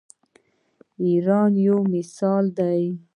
ایران یو مثال دی.